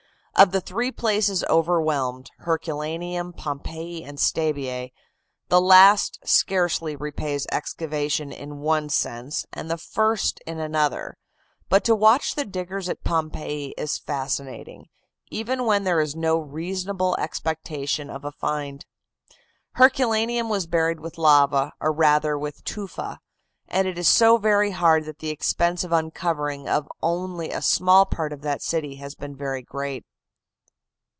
Of the three places overwhelmed, Herculaneum, Pompeii and Stabiae, the last scarcely repays excavation in one sense, and the first in another; but to watch the diggers at Pompeii is fascinating, even when there is no reasonable expectation of a find. Herculaneum was buried with lava, or rather with tufa, and it is so very hard that the expense of uncovering of only a small part of that city has been very great.